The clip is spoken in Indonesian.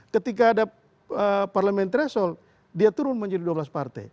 ketika ada parliamentar dia turun menjadi dua belas partai